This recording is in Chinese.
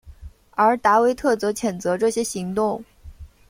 而达维特则谴责这些行动。